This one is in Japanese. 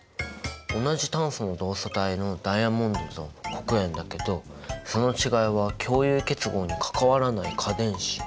同じ炭素の同素体のダイヤモンドと黒鉛だけどその違いは共有結合に関わらない価電子。